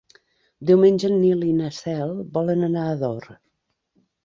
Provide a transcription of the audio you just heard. Diumenge en Nil i na Cel volen anar a Ador.